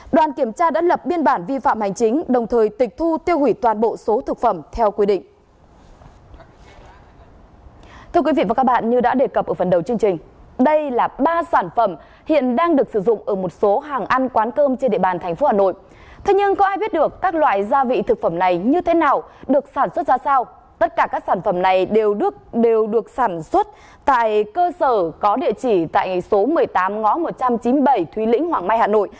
đoàn kiểm tra đã lập biên bản vi phạm hành chính đồng thời tịch thu tiêu hủy toàn bộ số thực phẩm theo quy định